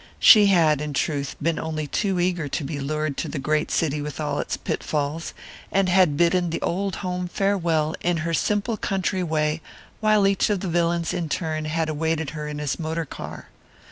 She had, in truth, been only too eager to be lured to the great city with all its pitfalls, and had bidden the old home farewell in her simple country way while each of the villains in turn had awaited her in his motor car.